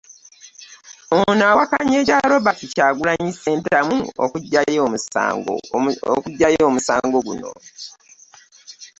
Ono awakanya ekya Robert Kyagulanyi Ssentamu okuggyayo omusango guno